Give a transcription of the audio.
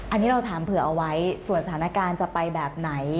อันนี้เราถามเผื่อเอาไว้ส่วนสถานการณ์จะไปแบบไหน